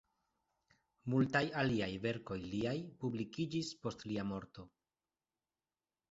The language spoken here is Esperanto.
Multaj aliaj verkoj liaj publikiĝis post lia morto.